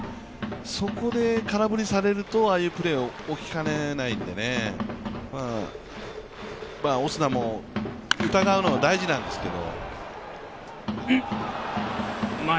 そこで空振りされるとああいうプレーが起きかねないので、オスナも疑うのは大事なんですけど。